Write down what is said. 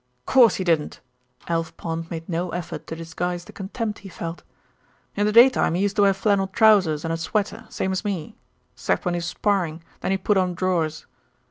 "Course he didn't!" Alf Pond made no effort to disguise the contempt he felt. "In the daytime he used to wear flannel trousers an' a sweater, same as me, except when he was sparrin', then he put on drawers.